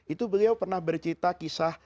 itu beliau pernah bercerita kisah